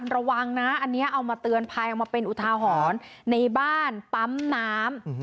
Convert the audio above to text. ระวังนะอันนี้เอามาเตือนภัยเอามาเป็นอุทาหรณ์ในบ้านปั๊มน้ำ